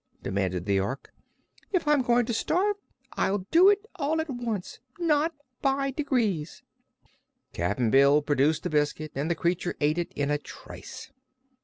demanded the Ork. "If I'm going to starve, I'll do it all at once not by degrees." Cap'n Bill produced the biscuit and the creature ate it in a trice.